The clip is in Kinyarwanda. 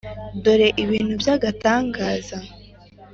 dore ibintu by’agatangaza.